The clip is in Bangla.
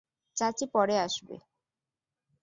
চাচি পরে আসবে।